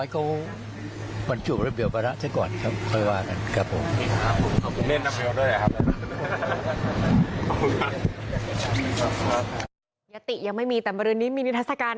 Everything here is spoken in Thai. ขอบคุณมากครับ